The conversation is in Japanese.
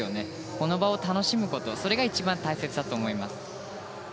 この場を楽しむことそれが一番大切だと思います。